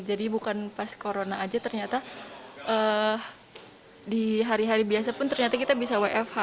jadi bukan pas corona saja ternyata di hari hari biasa pun ternyata kita bisa wfh